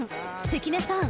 関根さん。